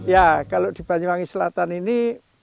ya kalau di banyuwangi selatan ini